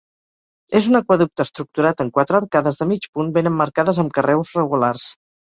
És un aqüeducte estructurat en quatre arcades de mig punt ben emmarcades amb carreus regulars.